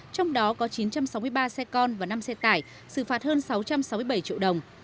trong đó có chín trăm sáu mươi ba xe con và năm xe tải xử phạt hơn sáu trăm sáu mươi bảy triệu đồng